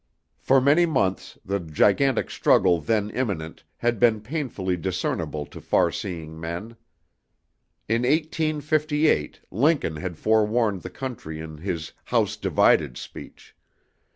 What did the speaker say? For many months, the gigantic struggle then imminent, had been painfully discernible to far seeing men. In 1858, Lincoln had forewarned the country in his "House Divided" speech.